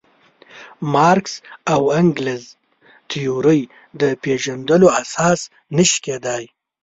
مارکس او انګلز تیورۍ د پېژندلو اساس نه شي کېدای.